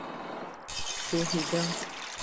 پوهیدم